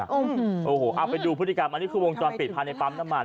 โอ้โหเอาไปดูพฤติกรรมอันนี้คือวงจรปิดภายในปั๊มน้ำมัน